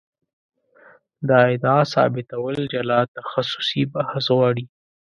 دا ادعا ثابتول جلا تخصصي بحث غواړي.